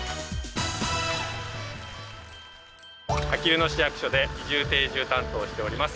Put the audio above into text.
あきる野市役所で移住・定住担当をしております